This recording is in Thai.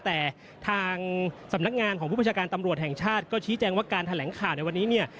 แต่ทางสำนักงานของผู้ประชาการตำรวจแห่งชาติก็ชี้แจงว่าการแถลงข่าวในวันนี้เนี่ย